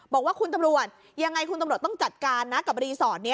บอกว่าคุณตำรวจยังไงคุณตำรวจต้องจัดการนะกับรีสอร์ทนี้